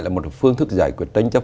là một phương thức giải quyết tranh chấp